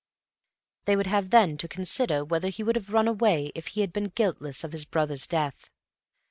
They would have then to consider whether he would have run away if he had been guiltless of his brother's death.